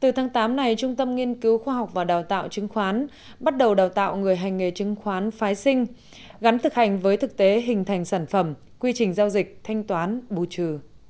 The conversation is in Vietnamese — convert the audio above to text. từ tháng tám này trung tâm nghiên cứu khoa học và đào tạo chứng khoán bắt đầu đào tạo người hành nghề chứng khoán phái sinh gắn thực hành với thực tế hình thành sản phẩm quy trình giao dịch thanh toán bù trừ